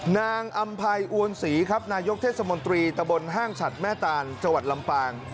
นางอำภัยอวนศรีครับนายกเทศมนตรีตะบนห้างฉัดแม่ตานจังหวัดลำปาง